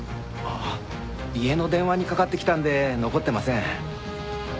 ああ家の電話にかかってきたんで残ってません。